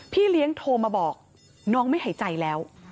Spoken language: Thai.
พี่เลี้ยงโทรมาบอกน้องไม่หายใจแล้ว